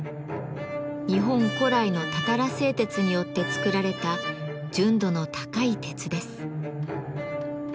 日本古来のたたら製鉄によって作られた純度の高い鉄です。